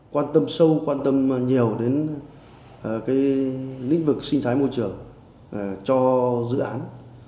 quan tâm sâu quan tâm nhiều đến lĩnh vực sinh thái môi trường cho dự án